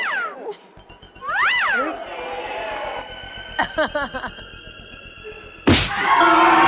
แรงหัวเร็ว